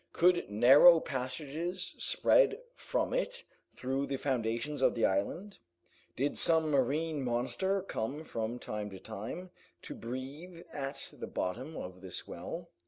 Could narrow passages spread from it through the foundations of the island? Did some marine monster come from time to time, to breathe at the bottom of this well?